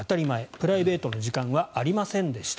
プライベートの時間はありませんでした。